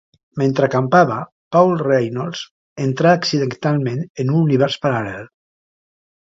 Mentre acampava, Paul Reynolds entra accidentalment en un univers paral·lel.